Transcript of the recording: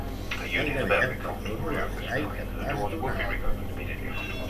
Gairebé et perdono l'esglai que em vas donar!